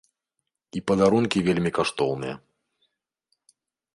І падарункі вельмі каштоўныя.